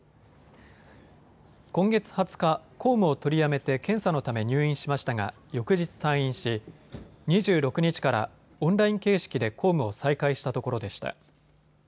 今月２０日、公務を取りやめて検査のため入院しましたが翌日退院し２６日からオンライン形式で公務を再開したところでした。